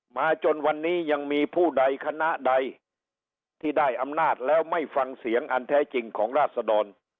จนวันนี้ยังมีผู้ใดคณะใดที่ได้อำนาจแล้วไม่ฟังเสียงอันแท้จริงของราชดร